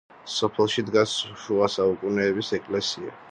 სოფელში დგას შუა საუკუნეების ეკლესია.